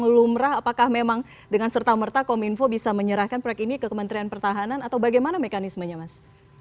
lumrah apakah memang dengan serta merta kominfo bisa menyerahkan proyek ini ke kementerian pertahanan atau bagaimana mekanismenya mas